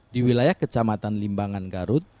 di wilayah kecamatan limbangan garut